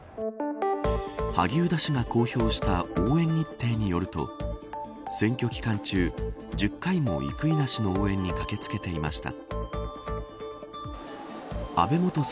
萩生田氏が公表した応援日程によると選挙期間中１０回、生稲氏の応援に駆けつけていました。